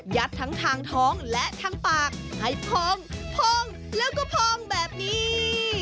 ทั้งทางท้องและทางปากให้พองพองแล้วก็พองแบบนี้